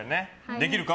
できるか？